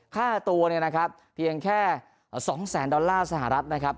ค่าตัวเนี่ยนะครับเพียงแค่๒แสนดอลลาร์สหรัฐนะครับ